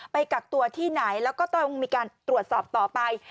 กักตัวที่ไหนแล้วก็ต้องมีการตรวจสอบต่อไป